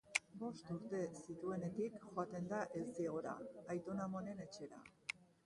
Bost urte zituenetik joaten da Eltziegora, aiton-amonen etxera